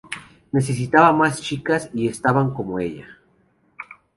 Necesitaban más chicas, y estaban como, ¡ella!